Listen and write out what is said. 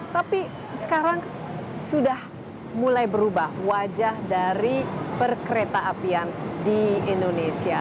tapi sekarang sudah mulai berubah wajah dari perkereta apian di indonesia